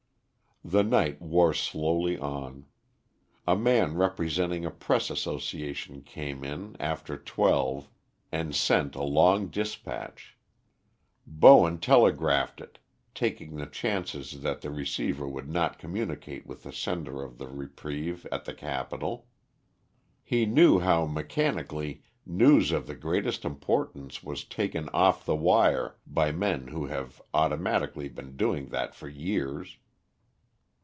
The night wore slowly on. A man representing a Press association came in after twelve and sent a long dispatch. Bowen telegraphed it, taking the chances that the receiver would not communicate with the sender of the reprieve at the capital. He knew how mechanically news of the greatest importance was taken off the wire by men who have automatically been doing that for years.